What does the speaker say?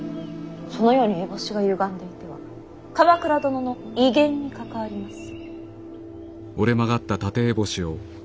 そのように烏帽子がゆがんでいては鎌倉殿の威厳に関わります。